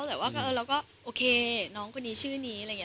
แต่ว่าเราก็โอเคน้องคนนี้ชื่อนี้อะไรอย่างนี้